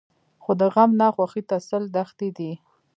خو د غم نه خوښۍ ته سل دښتې دي.